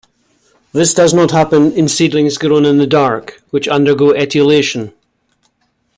This does not happen in seedlings grown in the dark, which undergo etiolation.